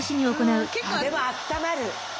でもあったまる。